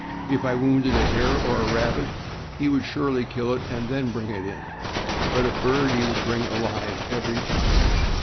If I wounded a hare, or rabbit, he would surely kill it, then bring it in; but a bird he would bring alive every time.